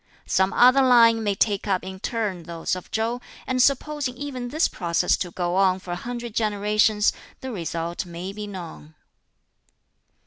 Some other line may take up in turn those of Chow; and supposing even this process to go on for a hundred generations, the result may be known."